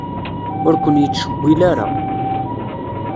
Ur ken-yettcewwil ara.